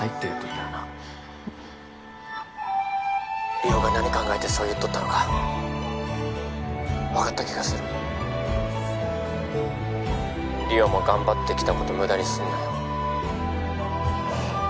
うん☎梨央が何考えてそう言っとったのか☎分かった気がする☎梨央も頑張ってきたこと無駄にすんなよ